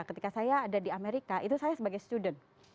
ketika saya ada di amerika itu saya sebagai student